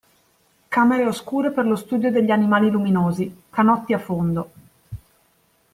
Camere oscure per lo studio degli animali luminosi, canotti a fondo.